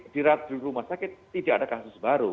di rumah sakit tidak ada kasus baru